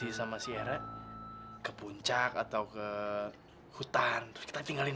gimana kalau kita ajak sissy sama sierra ke puncak atau ke hutan terus kita tinggalin